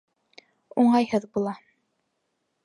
Уңайһыҙ була.